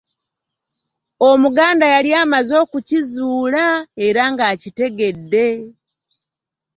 Omuganda yali amaze okukizuula era ng'akitegedde